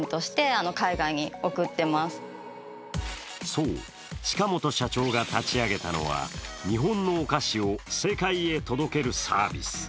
そう、近本社長が立ち上げたのは日本のお菓子を世界へ届けるサービス。